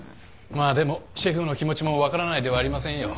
まあでもシェフの気持ちも分からないではありませんよ。